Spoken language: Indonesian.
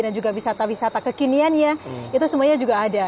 dan juga wisata wisata kekiniannya itu semuanya juga ada